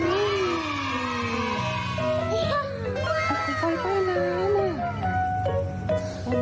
ภูเขาไฟใต้น้ำ